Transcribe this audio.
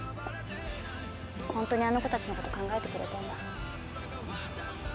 ホントにあの子たちのこと考えてくれてんだ。